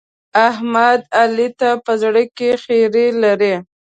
احمد؛ علي ته په زړه کې خيری لري.